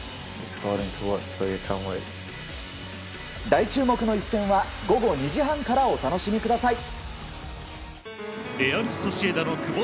大注目の一戦は午後２時半からお楽しみください。